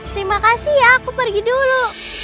terima kasih ya aku pergi dulu